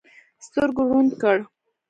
سترګو ړوند کړ.